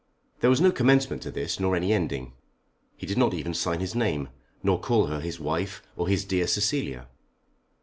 There was no commencement to this, nor any ending. He did not even sign his name, nor call her his wife, or his dear Cecilia.